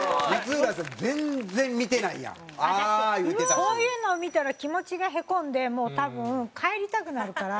こういうのを見たら気持ちがへこんでもう多分帰りたくなるから。